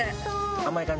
甘い感じ？